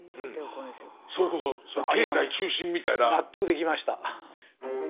それこそ経済中心みたいな。納得できました。